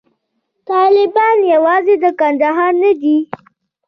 طالبان یوازې د کندهار نه دي.